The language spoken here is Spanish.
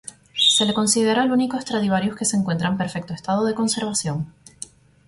Se le considera el único Stradivarius que se encuentra en perfecto estado de conservación.